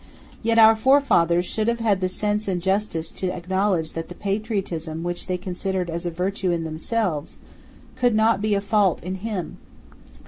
Yet our forefathers should have had the sense and the justice to acknowledge that the patriotism which they considered as a virtue in themselves, could not be a fault in him.